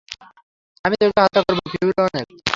আমি তোকে হত্যা করবো, ফিওরনের!